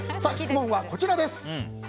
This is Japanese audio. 質問はこちらです。